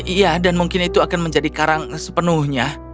iya dan mungkin itu akan menjadi karang sepenuhnya